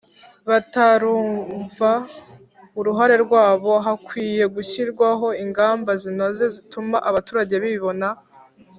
batarumva uruhare rwabo Hakwiye gushyirwaho ingamba zinoze zituma abaturage bibona